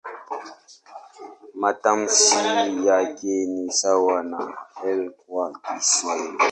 Matamshi yake ni sawa na "L" kwa Kiswahili.